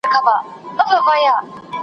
بس پرون چي می ویله .